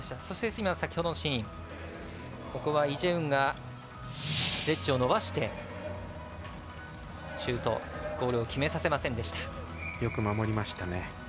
そして、ここはイ・ジェウンがスレッジを伸ばしてシュート、ゴールを決めさせませんでした。